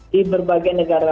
di berbagai negara